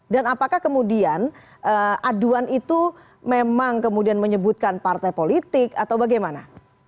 dan apakah kemudian aduan itu memang kemudian menyebutkan partai politik atau bagaimana